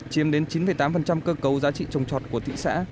chiếm đến chín tám cơ cấu giá trị trồng trọt của thị xã